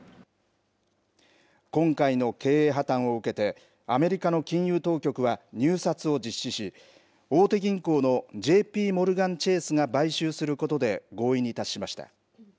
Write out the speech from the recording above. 今回の経営破綻を受けて、アメリカの金融当局は入札を実施し、大手銀行のＪＰモルガン・チェースが買収することで合意に達しました。